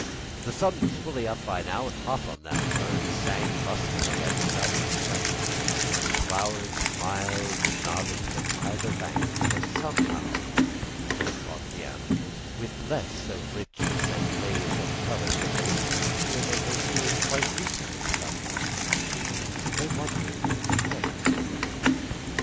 The sun was fully up by now, and hot on them, birds sang lustily and without restraint, and flowers smiled and nodded from either bank, but somehow—so thought the animals—with less of richness and blaze of colour than they seemed to remember seeing quite recently somewhere—they wondered where.